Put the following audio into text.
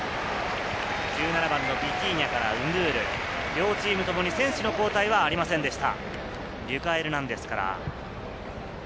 １７番のビティーニャから、ンドゥール、両チームともに選手の交代はありませんでした。